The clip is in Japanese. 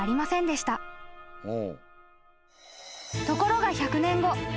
［ところが１００年後］